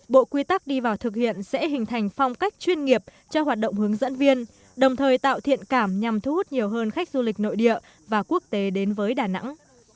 bộ quy tắc đi vào thực hiện sẽ hình thành phong cách chuyên nghiệp cho hoạt động hướng dẫn viên đồng thời tạo thiện cảm nhằm thu hút nhiều hơn khách du lịch nội địa và quốc tế đến với đà nẵng